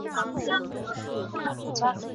通常为常绿性小灌木或小乔木。